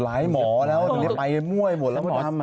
ล้ายหมอแล้วตรงนี้มัยมวยหมดแล้วไม่ตัม